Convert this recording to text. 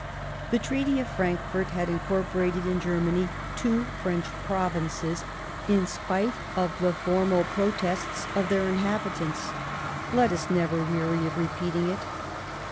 The Treaty of Frankfort had incorporated in Germany two French Provinces in spite of the formal protests of their inhabitants ; let us never weary of repeating it.